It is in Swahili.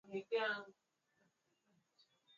Kinaga ubaga bila kusita.